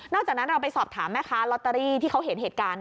จากนั้นเราไปสอบถามแม่ค้าลอตเตอรี่ที่เขาเห็นเหตุการณ์